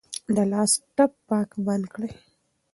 د لاس ټپ پاک بند کړئ.